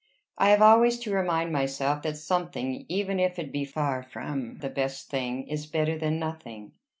I have always to remind myself that something, even if it be far from the best thing, is better than nothing.